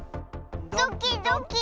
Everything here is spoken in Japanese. ドキドキ。